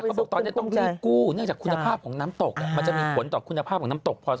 มีเนื้อจากคุณภาพของน้ำตกมันจะมีผลต่อคุณภาพของน้ำตกพอสมมุติ